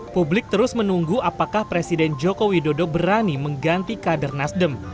publik terus menunggu apakah presiden joko widodo berani mengganti kader nasdem